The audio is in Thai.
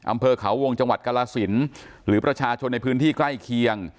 อำเภอเขาวงจังหวัดกรสินหรือประชาชนในพื้นที่ใกล้เคียง